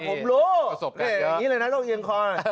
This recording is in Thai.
ผมรู้อย่างนี้เลยนะต้องเอียงคอ